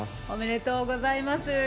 おめでとうございます。